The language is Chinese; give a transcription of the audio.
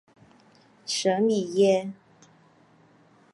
舍米耶。